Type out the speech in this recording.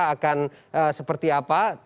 akan seperti apa